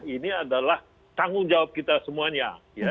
ini adalah tanggung jawab kita semuanya